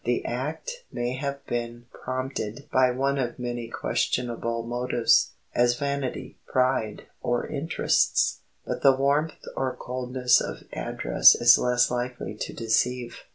The act may have been prompted by one of many questionable motives, as vanity, pride, or interests; but the warmth or coldness of address is less likely to deceive.